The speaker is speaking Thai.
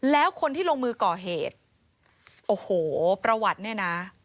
แล้วคนที่ลงมือก่อเหตุโอ้โหประวัติเนี่ยนะ